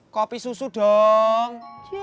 kopi susu dong